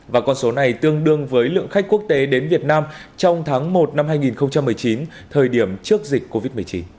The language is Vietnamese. và con số này tương đương với lượng khách quốc tế đến việt nam trong tháng một năm hai nghìn một mươi chín thời điểm trước dịch covid một mươi chín